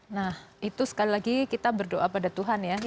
nah itu sekali lagi kita berdoa pada tuhan ya